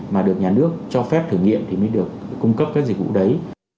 mà được nhà nước cho phép thử nghiệm thì mới được cung cấp các dịch vụ đấy